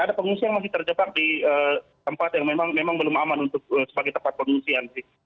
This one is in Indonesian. ada pengungsi yang masih terjebak di tempat yang memang belum aman untuk sebagai tempat pengungsian